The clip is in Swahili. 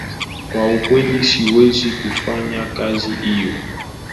Kwa ukweli siwezi kufanya kazi hiyo